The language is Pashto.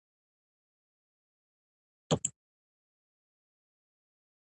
د تورې او قلم خاوندان یو.